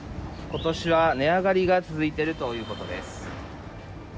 ことしは値上がりが続いているということです。